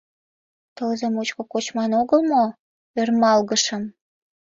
— Тылзе мучко кочман огыл мо? — ӧрмалгышым.